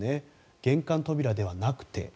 玄関扉ではなくて。